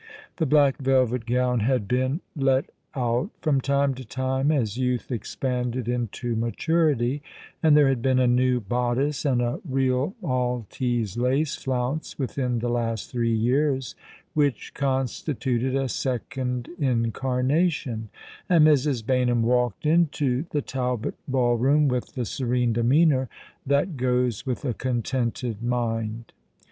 The black velvet gown had been " let out " from time to time, as youth expanded into maturity : and there had been a new bodice and a real Maltese lace flounce within the last three years, which con stituted a second incarnation; and Mrs. Baynham walked into the Talbot ball room with the serene demeanour that goes with a contented mind.